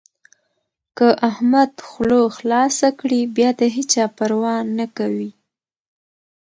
که احمد خوله خلاصه کړي؛ بيا د هيچا پروا نه کوي.